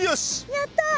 やった！